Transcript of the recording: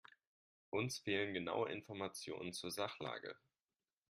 Uns fehlen genaue Informationen zur Sachlage.